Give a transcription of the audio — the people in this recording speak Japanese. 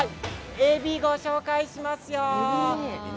えびをご紹介しますよ。